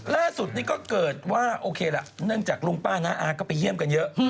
ล่าสุดนี้ก็เกิดว่าโอเคละเนื่องจากลุงป้าน้าอาก็ไปเยี่ยมกันเยอะ